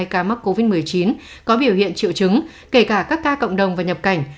một trăm một mươi sáu chín trăm linh hai ca mắc covid một mươi chín có biểu hiện triệu chứng kể cả các ca cộng đồng và nhập cảnh